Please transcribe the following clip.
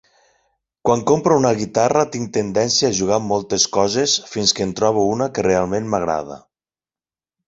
Quan compro una guitarra tinc tendència a jugar amb moltes coses fins que en trobo una que realment m'agrada.